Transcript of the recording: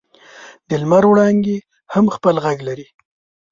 د لمر وړانګې هم خپل ږغ لري.